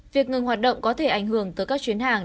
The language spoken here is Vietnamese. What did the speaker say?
việc ngừng hoạt động có thể ảnh hưởng tới các chuyến hàng